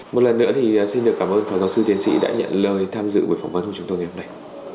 một lần nữa thì xin được cảm ơn phó giáo sư tiến sĩ đã nhận lời tham dự buổi phỏng vấn của chúng tôi ngày hôm nay